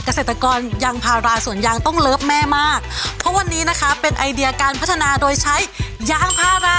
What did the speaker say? เกษตรกรยางพาราสวนยางต้องเลิฟแม่มากเพราะวันนี้นะคะเป็นไอเดียการพัฒนาโดยใช้ยางพารา